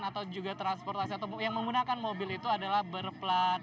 atau juga transportasi atau yang menggunakan mobil itu adalah berplat